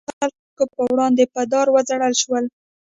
ټول باغیان د خلکو په وړاندې په دار وځړول شول.